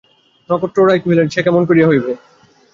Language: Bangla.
নক্ষত্ররায় কহিলেন, সে কেমন করিয়া হইবে?